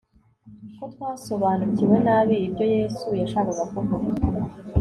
ko twasobanukiwe nabi ibyo yesu yashakaga kuvuga